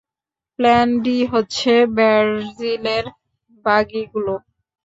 Plan D হচ্ছে ভার্জিলের বগিগুলো।